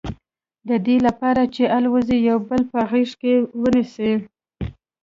د دې لپاره چې والوزي یو بل په غېږ کې ونیسي.